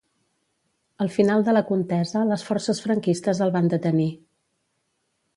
Al final de la contesa les forces franquistes el van detenir.